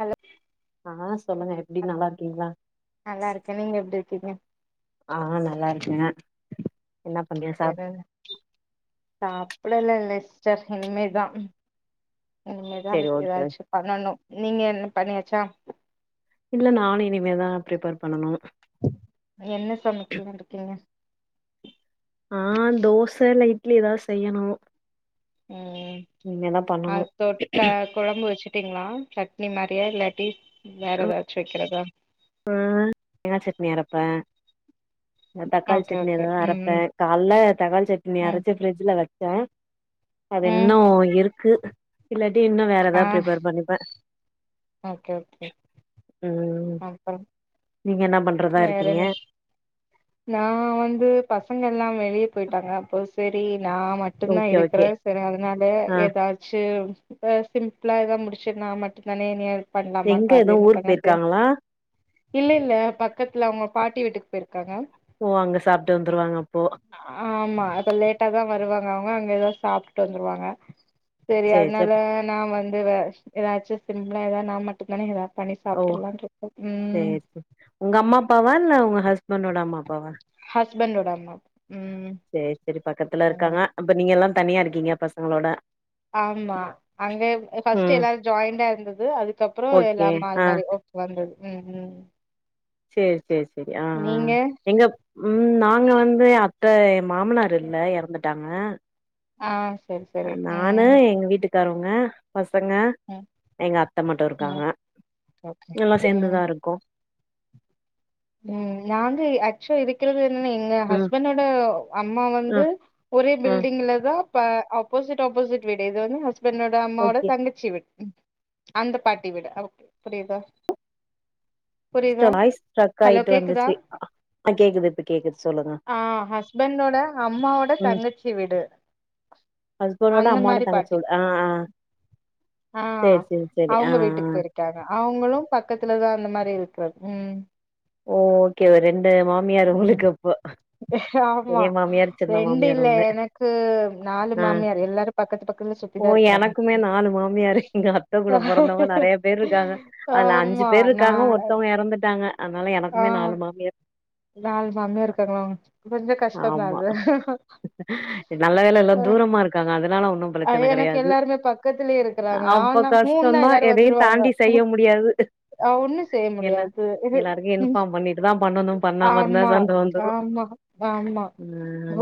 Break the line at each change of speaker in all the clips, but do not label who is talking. hello
ஆஹ் சொல்லுங்க எப்டி நல்லா இருக்கீங்களா
ங்க
ஆஹ் நல்லா இருக்கேங்க என்ன பண்ணிய சாப்
சாப்பிடலல்ல சிஸ்டர் இனிமேதான் இனிமே தா
சரி ஓகே ஓகே
ஏதாச்சும் பண்ணணும் நீங்க என்ன பண்ணியாச்சா
இல்ல நானும் இனிமேதான் ப்ரிப்பர் பண்ணனும்
என்ன சமைக்கன் இருக்கீங்க
ஆஹ் தோசை இல்ல இட்லி ஏதாவது செய்யணும்
ம்
பண்ணனு
அத தொக்க கொழம்பு வச்சு செரிங்களா சட்னி மாரியா இல்லாட்டி வேற ஏதாச்சும் வைக்கிறதா
ஆஹ் தேங்காய் சட்னி அரப்பே தக்காளி
ஓகே
சட்னி
ஓகே
எதாவாது அரப்பே
ம்
கால்ல தக்காளி சட்னி
ம்
அரைச்சு பிரிட்ஜ்ல வச் சேன் அது
ம்
இன்னும் இருக்கு இல்ல இன்னும் வேற
ஆ
ஏதாவது பிரிப்பேர் பண்ணிப்பேன்
ஓகே ஓகே
ம்
அப்பறம்
நீங்க என்ன பண்றதா
வேற
இருக்கீங்க
என்ன நான் வந்து பசங்க எல்லாம் வெளியப் பொய்டாங்க அப்போ சரி நா மட்டுதா
ஓகே ஓகே
இருக்கறே செரி அதனால
ஆ
ஏதாச்சு இப்ப சிம்ளா எதாவது முடிச்சு நா மட்டும்தானே
எங்க எதோ ஊர்க் போய்ருக்காங்ளா
இல்ல இல்ல பக் கத்துல அவுங்க பாட்டி வீட்டுக்கு போயிருக் காங்க
ஓ அங்க சாப்ட்டு வந்துருவாங்க அப்போ
ஆமா அத லேட்டாதா வருவாங் அவுங்க அங்க ஏதாவது சாப்ட்டுட்டு வந்துருவாங்க சேரி அதுனால நா வந் ஏதாச் ஏதாச்சும் சிம்பிளா ஏதாவது நான் மட்டும்தான ஏதா பண்ணி
ஓ
சாப்ட்றலான்ட்ருக்கே ம்
சேரி சேரி உங்க அம்மா அப் பாவா உங்க ஹஸ்பண்டோட அம்மா அப்பாவா
ஹஸ்பண்டோட அம்மா உம்
சேரி சேரி பக்கத்துல இருக்காங்க அப்ப நீங்க எல்லா தனியா இருக்கீங்க பசங்களோட
ஆமா அங்க எ பஸ்டு
ம்
எல்லாரு ஜாய்ண்டா இருந்தது அதுகப்புறம்
ஓகே
எல்ல மாறி
ஆ
மாறி ஒ வந்தது ம் ம்
சேர் சேரி செரி ஆ ஆ
நீங்க
எங்க உம் நாங்க வந்து அத் [unintelligible] மாமனார் இல்ல எறந்துடாங்க ஆஹ்
ஆஹ்
நானு எங்க வீட்டுக்காரம் ங்க பச பசங்க
ம்
எங்க அத்த மட்டோ இருக்காங்க
ம் ஓகே
எல்லா
ம்
சேந்துதா இருக்கோம்
ம் நாங்க ஆக்ச இருக்கிறது எங்க
ம்
ஹஸ்பண்டோட அம்மா
ஆ
வந்து ஒரே
ஆ
பில்டிங்ல தான் இப்ப ஆப்போசிட் அப்போசிட் விடு எது [unintelligible] என் அம்மாவோட
ஓகே
தங்கச்சி வி அந்த பாட்டி விடா ஓகே புரியுதா புரியுதா
[unintelligible]
ஹலோ கேக்குதா
வந்துச்சு ஆ கேக்குது இப்ப கேக்குது சொல்லுங்க
ஆ ஹஸ்பண்டோட அம்மாவோட
ம்
தங்கச்சி வீடு
ஹஸ்பண்டோட
அந்த
அம்மாவோட
மாரி பாட்டி
தங்கச்சியோட ஆ ஆ
ஆ
சேரி சேரி சேரி ஆ
அவங்க வீட்டுக்கு
ஆ
போயிருக்காங்க அவங்களோ பக்கத்துலதா அந்த மாரி இருக்கிறது ம்
ஓ ஓகே வரேன் [unintelligible] மாமியார்
ம்
உங்களுக்கு அப்ப
ஆமா ரெண்டு இல்ல எனக்கு நாலு
ஆ
மாமியார் எல்லாரும் பக்கத்து பக்கத்துல
ஓ
சுத்திதான் இருக்கறாங்க
எனக்குமே நாலு மாமியாரு எங்க அத்த கூட பொறந்தவங்க நெறைய பேர் இருக்காங்க அதுல அஞ்சு
ஆமா
பேர் இருக்காங்க
நான
ஒருத்தவங்க எறந்துட்டாங்க அதனால எனக்குமே நாலு மாமியார்
நால் மாமியாரு இருக்காங்ளா அவுங்
ஆமா நல்ல வேல எல்லாம் தூரமா இருக்காங்க அது அதனால ஒன்னோம்
அ
பிரச்சன
எனக்கு
கெடையாது
எல்லாருமே பக்கத்துலயே இருக்கறாங்க
அப்ப
ஆனா மூணுனா
கஷ்டம் தான்
எல்லாரு
எதையும்
வந்துருவாங்க
தாண்டி செய்ய முடியாது
ஒண்ணு செய்ய
என்ன
முடியாது
எல்லாருக்கு இன்பார்ம் பண்ணிட்டுதான் பண்ணனோம் பண்ணாம இருந்தா
ஆமா
சண்ட வந்துடோம்
ஆமா ஆமா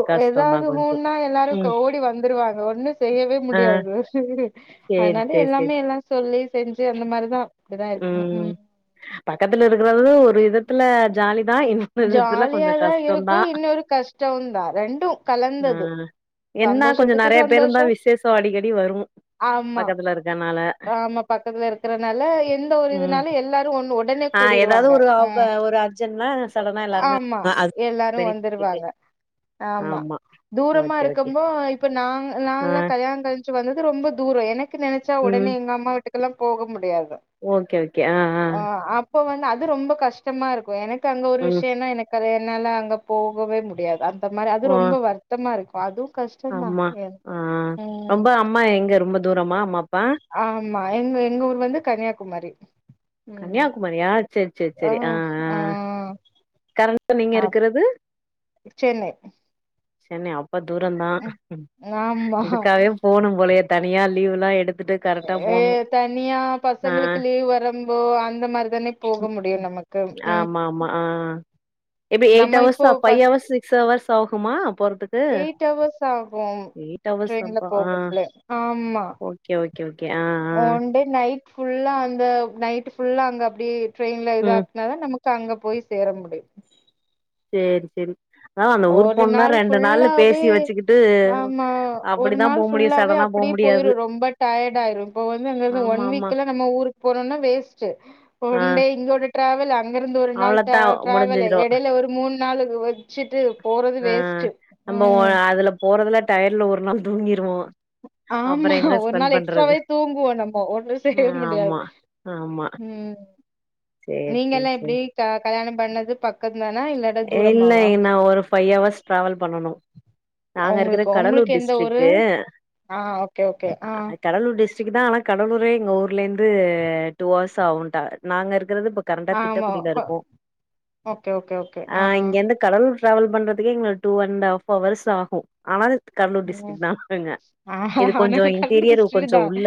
உ ஏதாவது
கொஞ்சோ
ஹன்னா எல்லாரோ கு
ம்
ஓடி வந்துருவாங்க ஒன்னு செய்யவே
ஆ
முடியாது
சேரி
அதனால
சேரி சேரி
எல்லாமே எல்லாம் சொல்லி செஞ்சு அந்த மாரிதான்
ம் பக்கத்துல இருக்கிறது ஒரு இது த்ல்ல ஜாலி விதத்துல கொஞ்சம்
ஜாலியாதா
கஷ்டம்
இருக்கு
தான்
இன்னொரு கஷ்டோந்தா ரெண்டு
ஆ
கலந்தது
என்ன கொஞ்சம்
சந்தோஷத்துக்கு
நெறைய பேரும்
சந்தோஷோ
தான் விசேஷம் அடிக்கடி வரும்
ஆமா
பக்கத்துல இருக்கனால
ஆமா பக்கத்துல இருக்கறனால ன் எந்த ஒரு
ம்
இதுனால எல்லாரும் ஒன்னு உடனே
ஆ ஏதாவது
கூடிடுவாங்க
ஒரு
ஆ
ஆப ஒரு அர்ஜென்ட்னா சடனா எல்லாருமே
ஆமா
அ அது
எல்லாரும்
பெனிஃபிட் இருக்கு
வந்துருவாங்க ஆமா தூரமா
ஓகே ஓகே
இருக்கம்மோ இப்ப நாங்க
ஆ
நால்லா கல்யாண கழி்ச்சு வந்ததது ரொம்ப தூரம் எனக் ஓடனே
ம்
எங்க அம்மா வீட்டுக்கு அங்கலாம் போக முடியாது
ஓகே ஓகே ஆ ஆ
இப்ப வந்து அது ரொம்ப கஷ்டமா இருக்கும் எனக் அங்க ஒரு
ம்
விஷயம் தான் எனக்க பாரு என்னால அங்க போகவே முடியாது அந் தத்து மாரி அது
ஓ
ரொம்ப வருத்தம்மா இருக்கு பதும்
ஆமா ஆஹ் ரொம்ப அம்மா எங்க ரொம்ப தூரமா அம்மாப்
ஆமா எங்க எங்க ஊர் வந்து கன்னியாகுமரி ம்
கன்னியாகுமரியா சேரி சேரி
ஆ
சேரி ஆஹ்ஹ் கரண்டா நீங்க
ஆ
இருக்கிறது
சென்னை
சென்னை அப்ப தூரம தான்
உம் ஆமா
இதுக்காவே போனும் போல தனியா லீவ்வுலாம் எடுத்
ஏ தனியா
ஆ
பசங்களுக்கு லீவ் வரம் ம்
ஆமா ஆமா ஹான் எப்டி எயிட்
நம்ம
அவர்ஸ் அ ஃப்வை அவர்ஸ் அ சிக்ஸ் அவர்ஸ் ஆவும் போகுமா
எட்அவர்ஸ் ஆகும்
எயிட் ஹவர்ஸ்
ட்ரைன்ல
அப்ப ஆ
போகும் புலே ஆமா
ஓகே ஓகே ஓகே ஆ ஆ
ஒன்டே நைட் ஃபுல்லா அந்த நைட் ஃபுல்லா அங்க அப்படியே டிரைன்ல இது
ம்
ஆக்குன நமக்கு இப்ப அங்க போய் சேர முடியும்
சேரி சேரி அதா அந்த ஊர்
ஒரு
போணுன்னா
நாள்
ரெண்டு நாள்ல
ஃபுல்லாவே
பேசி வச்சுக்கிட்டு
ஆமா ஒரு
அப்டிதா
நாள்
போ முடியு
ஃபுல்லாவே
சடனா போ
அப்படியே
முடியாது
போயிரும் ரொம்ப டயர்ட் ஆயிரும் இப்ப வந்து அங்க
ஆமா
ஒன்
ஆமா
வீக்ல நம்ம ஊருக்கு போறோம்னா வேஸ்ட்
ஆ
ஒன் டே இங்கோட ட்ராவல் அ இங்க இருந்து ஒரு நாள் டே
அவ்ளோத்தா
டிராவேலு
முடிஞ்சிரு
இடையில ஒரு மூண் நலகு வச்சிட் ட்டு போறது
ஆ
வேஸ்டு உம்
டயர்ல ஒரு நாள் தூங்கிடுவோம்
ஆமா ஒரு நாள் எக்ஸ்ட்டாவே தூங்குவோம் நம்ம ஒண்ணும் செய்ய முடியாது
ஆமா ஆமா
உம்
சேரி
நீங்க
சேரி
எல்லாம்
சேரி
எப்படி க கல்யாணம் பண்ணது பக்கம் தானா இல்லடா தூரமாவா
திஅவர்ஸ் டிராவல் பண்ணனும் நாங்க இருக்கிற
உங்களுக்கு உங்களுக்கு
கடலூர்
எந்த
டிஸ்ட்டிக்
ஊரு ஆ ஓகே ஓகே ஆ
கடலூர் டிஸ் சிக்கு தான் ஆனா கடலூரே எங்க ஊர்ல இருந்து டூ அவர்ஸ் ஆகும் ன்டாக நாங்க இருக்க இங்கறது கரட்டா திட்ட
ஆமா
குடியில இருக்கோம்
ஓகே ஓகே ஓகே ஆ
ஆன் இங்கிருந்து கடலூர் டிராவல் பண்றதுக்கே இங்க டூ அண்ட் ப் அவர்ஸ் ஆகும் ஆனா கடலூர்
ம்
டிஸ்ட்ரிக் தான்ங்க
ஆஹா
இது
நம்ம
கொஞ்சம் இன்டீரியர்
கண்டுபிடிச்சிட்டு
கொஞ்சம்
தான்
உள்ள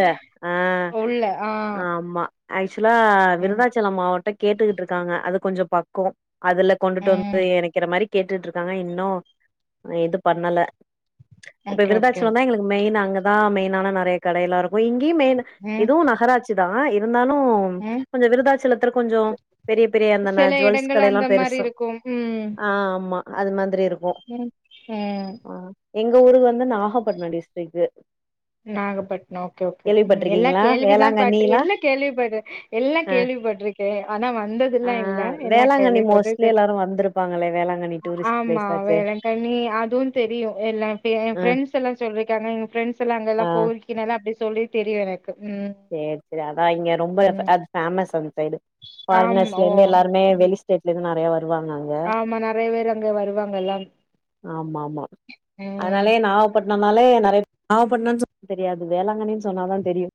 ஆஹ
உள்ள ஆ
ஆமா ஆக்சுவலா
ம்
விருதாச்சலம் மாவட்டம் கேட்டுக்கிட்டு இருக்காங்க அது கொஞ்ச பக்கம் அதுல கொண்டுட்டு வந்து
ம்
இணைக்கற மாரி கேட்டுட்ருக் ஆனா இன்னு எது பண்ணல இப்ப
ஓகே ஓகே
விருதாச்சலம்தா எங்களுக்கு மெயினா அங்கதா மெயினான நெறைய கடையல்லா இருக்கு இங் கயு மெயினு
ம்
இதுவு நகராட்சி தா இரு ந்தாலு
ம்
கொஞ்ச விருதாச்சலத்துல கொஞ்சோ பெரிய பெரிய அந்த ந
சில
ஜுவல்ஸ்
இடங்கள்
கடையெல்லா
அந்த மாரி
பெருசா
இருக்கும்
ஆஹ் ஆமா அது மாதிரி இருக்
உம் உம்
எங்க ஊரு வந்து நாகப்பட்னோ டிஸ்ட்ரிக்கு
நாகப்பட்னோ ஓகே ஓகே ம் எல்லா
கேள்விப்பட்டிருக்கீங்களா
கேள்விதா பட்ரு
வேளாங்கண்ணிலா
எல்லா கேள்விப்படுற எல்லா
ஆ
கேள்விப்பட்ருக்கே ஆனா
ஆ
வந்ததல்லா இல்ல எல்லா
வேளாங்கண்ணி
கேள்விப்பட்டு
மோஸ்ட்லி
து
எல்லாரும் வந்திருப்பாங்களே வேளாங்கண்ணி டூரிஸ்ட்
ஆமா
பிளேஸாச்சே
வேளாங்கண்ணி அதுவு தெரியு எல்லா என்
ஆ
ஃப்ரெண்ட்ஸ் எல்லா சொல்லிருக்காங்க என் ஃப்ரெண்ட்ஸ் த்துல அங்க
ஆ
எல்லா போ இருக்கீனல்லா அப்டி சொல்லி தெரியல
சேரி சேரி அதா இங்க ரொம்ப
ம்
அது ஃபேமஸ் அந்த சைடு
ஆமா
ஃபாரினர்ஸ்லந்து எல்லாருமே
ஓ
வெளி ஸ்டேட்ல இருந்து நெறைய வ ருவாங்க அங்க
ஆமா நெறைய பேர் அங்க வருவாங்கல்ல
ஆமா ஆமா
ம்
அதனாலயே நாகப்பட் னோனாலே நெறைய நாகப்பட்னோன்னு சொ தெரியாது வேளாங்கண்ணின்னு சொன்னாதா தெரியு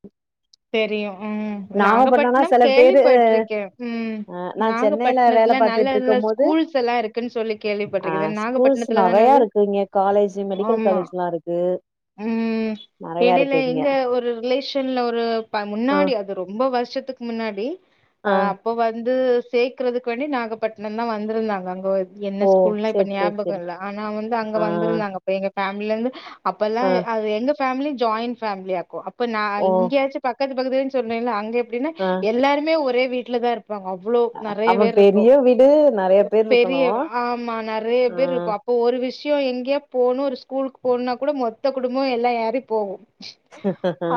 தெரியு ம்
நாகப்பட்டினம்னா
நாகப்பட்னம்
சில பேரு
கேள்விப்பட்டிருக்கே உம்
அ நா சென்னையில வேல
நாகப்பட்னத்துல நல்ல
பாத்துட்டு
நல்ல
இருக்கும் போது
ஸ்கூல்ஸ் எல்லா இருக்குன்னு சொல்லி
ஆ
கேள்விப்பட்டிருக்கே
ஸ்கூல்ஸ்
நாகப்பட்னத்துலதான
நெறையா
அது
இருக்கு இங்க காலேஜ் மெடிக்கல்
ஆமா
காலேஜ்லா இருக்கு
உம்
நெறையா
எடையில
இருக்கு
இங்க ஒரு ரிலேஷ ன்ல ஒரு இப்ப
ஆ
முன்னாடி அது ரொம்ப வருஷத்துக்கு முன்னாடி
ஆ
அஹ் அப்போ வந்து சேக்கறதுக்கு வேண்டி நாகப்பட்னோந்தா வந்திருந்தாங்க அங்க என்ன
ஓ
ஸ்கூல்னல்லா இப்ப
சேரி சேரி
ஞாபகோ
சேரி
இல்ல ஆனா வந்து அங்க
ஆ
வந்திருந்தாங்க அப்ப எங்க ஃபேமில இருந்து அப்பல்லா
ஆ
அது எங்க ஃபேமிலி ஜாயிண்ட் ஃபேமிலியாக்கு அப் ப நா
ஓ
இங்கயாச்சு பக்கத்து பக்கத்துலன்னு சொன்னேல்ல அங்க எ ப்டினா
ஆ
எல்லாருமே ஒரே வீட்லதா இருப் பாங்க அவ்ளோ நெறைய
அப்ப
பேர் இருப்போ
பெரிய வீடு நெறைய பேர் இருக்கணு
பெரிய
ஆ
ஆமா நெறைய பேர் இருப்போ அப்போ ஒரு விஷ யோ எங்கியோ போகணு ஒரு ஸ்கூலுக்கு போகணுன்னா கூட மொத்த குடும்பமு எல்லா ஏறி போகு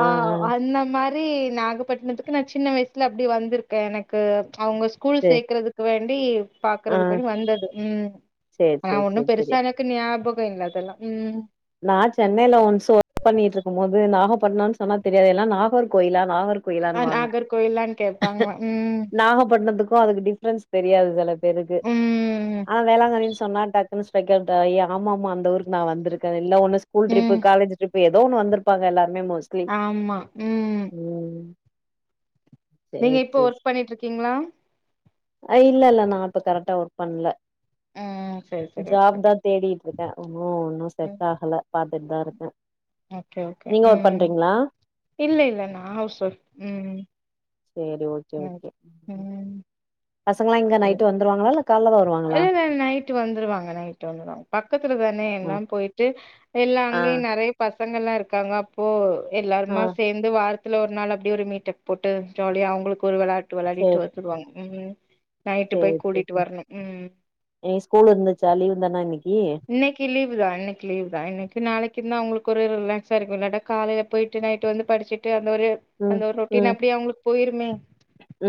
ஆஹ் அண்ண மாரி நாகப்பட்டினத்துக்கு நான் சின்ன வயசுல அப்படி வந்திருக்கேன் எனக்கு அவங்க ஸ்கூல்
சேரி
சேக்கறதுக்கு வேண்டி
ஆ
பாக்குறதுக்குனு வந்தது உம்
சேரி
ஆனா
சேரி சேரி
ஒண்ணு
சேரி
பெருசா எனக்கு ஞாபக தின்ன தெல்லாம் ம்
நான் சென்னையில ஒன்ஸ் ஒர்க் பண்ணிட்டு இருக்கும் போது நாகப்பட்டினம்னு சொன்னா தெரியாது எல்லா நாகர் கோயிலா நாகர்
ஆ
கோயிலான்னுவாங்க
நாகர்கோயில்லான்னு கேப்பாங்க ம்
நாகப்பட்டினத்துக்கு அப்ப டிஃப்ரன்ஸ் தெரியாது செல பேருக்கு
ம்
ஆனா வேளாங்கண்ணின்னு சொன்னா டக் இன்ஸ் பிரக்ரண்டாகி ஆமா அந்த ஊருக்கு நா வந்துருக்க எல்லா ஒன்னு ஸ்கூல் ட்ரிப்
ம்
காலேஜ் ட்ரிப் எது எதோ ஒண்ணு வந்திருப்பாங்க எல்லாரு
ஆமா ம்
ம்
நீங்க
சேரி
இப்போ
சேரி
ஒர்க் பண்ணிட்டு இருக்கீங்களா
இல்ல இல்ல நான் இப்ப கரெக்டா ஒர்க் பண்ணல
ம் சரி சரி ஓகே ஓகே
ஜாப் தான் தேடிட்டு இருக்கேன் ஒன்னும் ஒன்னும் செட்
ம்
பாத்துட்டு தான் இருக்க
ஓகே ஓகே உம் இல்ல இல்ல நா ஹவுஸ் வைஃப் ம்
சேரி ஓகே ஓகே
ம்
பசங்களா எங்க நைட்டு வந்துருவாங்கலா இல்ல கால்ல தா வருவாங்களா
நைட் வந்துருவாங்க நைட்டு வந்துருவாங்க பக்கத்துல தான இருக்கு என்ன
ஆ
எல்லாம் போயிட்டு எல்லாம்
ஆ
அங்கேயும் நிறைய பசங் பசங்கள்லாம் இருக்காங்க அப்போ
ஆ
எல்லாருமா சேர்ந்து வாழ் வாரதுல ஒரு நாள் அப்படியே ஒரு மீட்டப் போட்டு ஜாலியா அவங்களுக்கு ஒரு விளையாட் விளையாடு
சேரி
விளையாடிட்டு வந்துடுவாங்க ம் நைட்டு போய் கூட்டிட்டு வரணு ம்
இன்னக்கி ஸ்கூல் இருந்துச்சா லீவ் தானா இன்னக்கி
இன்னக்கி லீவ் அன்னைக்கு லீ்வ் தா இன்னைக்கு நாளைக்கு தா அவங்களுக்கு ஒரு ரிலாக்ஸ்சா இருக்கும் இல்லன காலையில போயிட்டு நைட்டு வந்து படிச்சுட்டு அந்த ஒரு
ம்
அந்த ஒரு ரொட்டின்
ம்
அப்படியே அவங்களுக்கு போயிருமே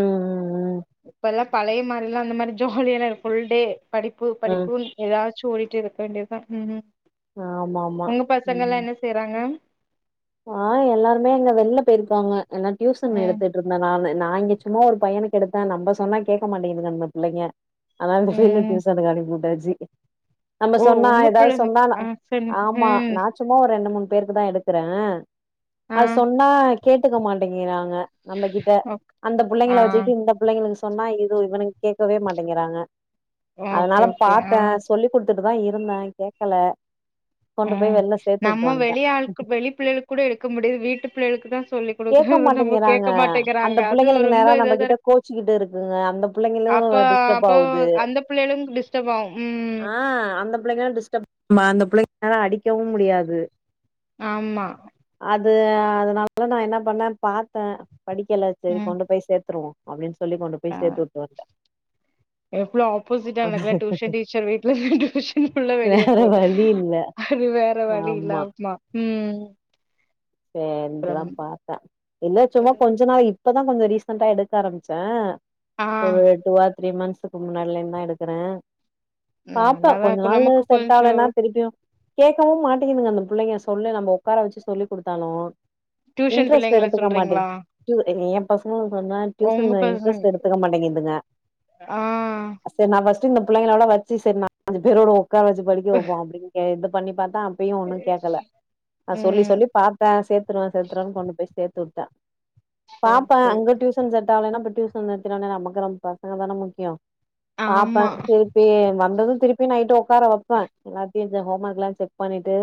ம் ம் ம்
இப்ப எல்லாம் பழைய மாரி எல்லாம் அந்த மாரி ஜாலியல்லாம் இரு புல் டே படிப்பு
ம்
படிப்பு ஏதா [unintelligible] இருக்க வேண்டியதான் உம் உம்
ஆமா ஆமா
உங்க பசங்கல்லாம் என்ன செய்றாங்க
ஆஹ் எல்லாருமே அங்க
ம்
நான் இங்க சும்மா ஒரு பையனுக்கு எடுத்தேன் நம்ப சொன்னா கேட்க மாட்டேங்குங்க அந்த பிள்ளைங்க அதனால அந்த
ம்
விசந்த காலி போட்டாச்சு [unintelligible] ஜி நம்ம
ஓ
சொன்னா
உங்க
ஏதாவது
பிள்ளைங்க
சொன்னா
ஆ சொல்லு
ஆமா
ம்
நா சும்மா ஒரு ரெண்டு மூணு பேருக்கு தான் எடுக்குறேன் ஆஹ்
ஆ
அது சொன்னா கேட்டுக்க மாட்டேங்கிறாங்க நம்ம கிட்ட
ஓக்
அந்த
ஆ
பிள்ளைங்களை வச்சுக்கிட்டு இந்த பிள்ளைங்களுக்கு ஸ் சொன்னா இது இவனுங்க கேட்கவே மாட்டேங்கிறாங்க
ஓகே
அதனால
ஓகே ஆ
பார்த்தேன் சொல்லி்குடுத் வித்துட்டு தான் இருந்தேன் கேட்கல கொண்டு போய்
ம்
வெளில சேர்த்து
நம்ம
விட்டு வாந்டே
வெளி ஆளுக்கு வெளி பிள்ளைகளுக்கு கூட எடுக்க முடியுது வீட்டு பிள்ளைகளுக்கு தான்
கேட்க மாட்டேங்கிறாங்க அந்த
அது
பிள்ளைங்களுக்கு
ரொம்ப
நேரா நம்ப
இதாதா
கிட்ட
இருக்கு
கோச்சுகிட்டு இருக்குங்க அந்த பிள்ளைங்களு
அப்ப
டிஸ்டர்ப
அப்போ
ஆகுது
அந்த பிள்ளைகளுக்கு டிஸ்டர்ப் ஆகு ம்
ஆஹ் அந்த பிள்ளைங்களும் டிஸ்டர்ப் அதா அடிக்கவும் முடியாது
ஆமா
அது அதனால அதான் நான் என்ன பண்ணே பார்த்தே படிக்கல்லா சேரி கொண்டு போய் சேர்த்திருவோம் அப்படி
ஆஹ் எவளோ
வன்ட்டே
ஆப்போசிட்டாக்கல டியுஷன் டீச்சர் வீட்டுல டியூஷன் உள்ள வெளியே
வேற
போ
வழி இல்ல
அது வேற வழி இல்ல ஆமா உம் உம்
சேரிந்தான் பார்த்தேன் இல்ல
ம்
சும்மா கொஞ்ச நாள் இப்பதான் கொஞ்சம் ரீசெண்டா எடுக்க ஆரம்பிச்சேன்
ஆ
ஒரு எட்டு வ த்ரீ மந்த்ஸ்க்கு முன்னாடிலந்து தான் எடுக்கிறே பாப்பா
நல்லாதா
கொஞ்ச
இருக்கு
நாள்
நமக்கு
செட்
கொஞ்சோ
ஆகலன்னா திருப்பியும் கேட்கவும் மாட் இருங்க அந்த புள்ளைங்க சொல்லு நம் உட்கார வச்சு சொல்லி கொடுத்தாலு
டியூஷன்
இன்ட்ரெஸ்ட்
பிள்ளைங்கள
எடுத்துக்க
சொல்றீங்களா
மாட்டேங்க பசங்களுக் பேம
உங்க
டியூசன்ல இன்டரஸ்ட்
பசங்க
எடுதுக்க மாட்ங்கிதுங்க
ஆ
இந்த பிள்ளைங்களலா வச்சு செரி நாலு பேரோட முக்காவாசி படிக்க வைபோ அப்படினு கேட்ட பண்ணி பாத்த இப்பயும் ஒன்னு கேக்கல நா சொல்லி
ம்
சொல்லி பாத்தா சேத்துருவே சேத்துவனு கொண்டு போய் சேர்த்ட் டன்
சரி
பாபா
சரி
அங்க டியூன் சேதாங்கனா நமக்கு [unintelligible] ரொம்ப நம்ம பசங்க தான முக்கியம்
ஆமா
பாப்பேன் திருப்பி வந்து திருப்பி நைட்டு உக்கார வைப்பேன் எல்லாத்தையும் இந்த ஹோம் ஒர்க்லாம் செக் பண்ணிட்டு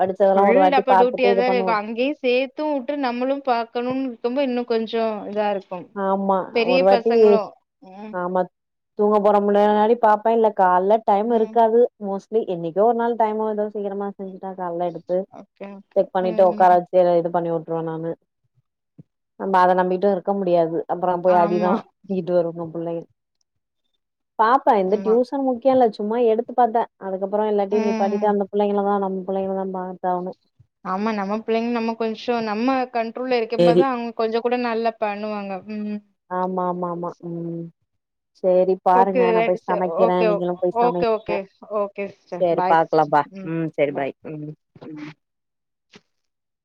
படிச்சதெல்லாம் ஒரு வாட்டி பா
பியா தானே இருக்கே அங்யே சேத்து வுட்டு நம்மளும் பாக்கணுயிருக்கும்போது இப்போ இன்னு கொஞ்சோ இதாயிருக்கு
ஆமா ஒரு வாட்டி
ம்
ஆமா தூங்க போற முன்னாடி பாப்பா கால்ல டைம்
ம்
இருகாது மோஸ் இல்ல என்னைகோ ஒரு நாள் டைம் ஏதோ சீக்கிரமா செஞ்சுட்டா கால்ல எடு து
ஓகே ஓகே
செக் பணிட்டு
ம்
உகாராவச்சு இது பண்ணி ப்ப நானு நம்ம அத நம்பிடு இருக் இருக்க முடியாது அப்புறம் போய்
ஆமா
அடிதான் இது [unintelligible] பிள்ளை பாப்பா இந்த
ஆமா
டியூசன் முக்கியல ச்சு சும்மா எடுத்து பாத்தே அதுக்கபுற இல்லாட்டி நீ
ம்
படிடா அந்த புள்ளைகள தா நம்ம புள்ளை தா பாத்து ஆகணும்
ஆமா நம்ம பிள்ளைங்க நம்ம கொஞ்சோ நம்ம கன் ருள இருக்க மாதிரி தா அவங்க கொஞ்சோ கூட நல்லா பண்ணுவாங்க ம்
ஆம்மா ஆம்மா ஆம்மா ம் சேரி
ஓகே
பாருங்க நா போய்
ஏடிசர்
சமைக்கிறே
ஓகே ஓ
நீங்களு போய் சமைங்க
ஓகே ஓகே சிஸ்டர்
சேரி
பாய் சிஸ்டர்
பாக்கலாம்பா
ம்
சேரி
பாய்
ம்